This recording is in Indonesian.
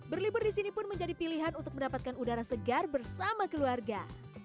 berlibur di sini pun menjadi pilihan untuk mendapatkan udara segar bersama keluarga